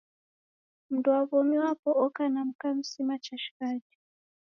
Mundu wa w'omi wapo oka na mka mzima cha shighadi